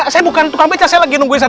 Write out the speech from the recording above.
saya bukan bang familia confused